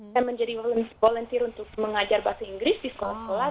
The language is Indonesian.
saya menjadi ⁇ lence volunteer untuk mengajar bahasa inggris di sekolah sekolah